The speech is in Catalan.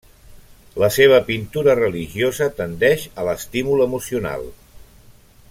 La seva pintura religiosa tendeix a l'estímul emocional.